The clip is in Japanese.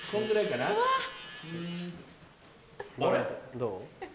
どう？